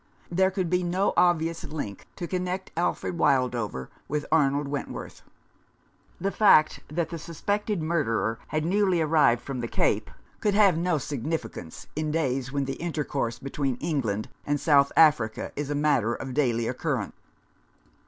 There could be no obvious link to connect Alfred Wildover with Arnold Wentworth. The fact that the suspected murderer had newly arrived from the Cape could have no significance in days when the intercourse between England and South Africa is a matter of daily occurrence.